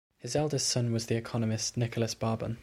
His eldest son was the economist Nicholas Barbon.